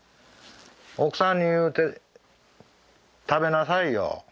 奥さんに言うて食べなさいよ。